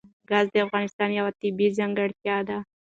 ګاز د افغانستان یوه طبیعي ځانګړتیا ده.